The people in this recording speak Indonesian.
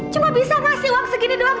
cuma bisa ngasih uang segini doang